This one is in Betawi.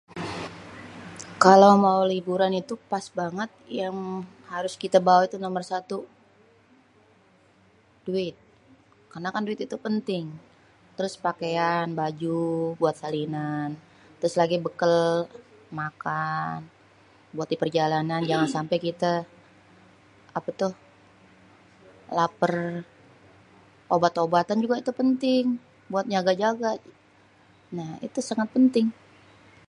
Kalo mau liburan itu pas banget yang harus kita bawa itu nomer satu duit, karnakan duit itu penting terus pakean, baju buat salinan, terus lagi bekel, makan buat di perjalanan jangan sampe kita apa tuh laper, obat-obatan juga itu penting buat jaga-jaga, nah itu sangat penting.